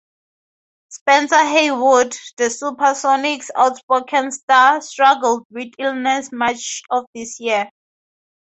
Spencer Haywood, the SuperSonics' outspoken star, struggled with illnesses much of this year.